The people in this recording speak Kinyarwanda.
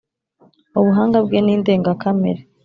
Ubuhanga bwe ni indengakamere